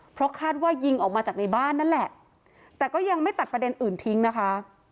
เพราะคาดว่ายิงออกมาจากในบ้านนั่นแหละแต่ก็ยังไม่ตัดประเด็นอื่นทิ้งนะคะ